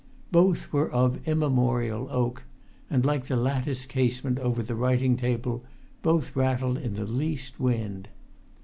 Both were of immemorial oak, and, like the lattice casement over the writing table, both rattled in the least wind.